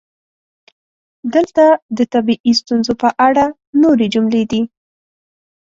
دلته د طبیعي ستونزو په اړه نورې جملې دي: